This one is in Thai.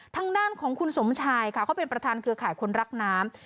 ทางด้านของคุณสมชายค่ะเขาเป็นประธานเครือข่ายคนรักน้ำ